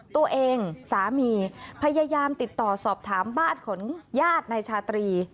ตัวเองสามีพยายามติดต่อสอบถามบ้านของญาตินายชาตรี